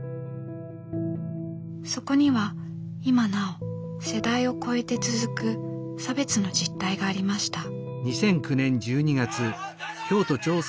そこには今なお世代を超えて続く差別の実態がありました。